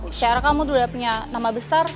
secara kamu udah punya nama besar